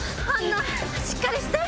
杏奈しっかりして！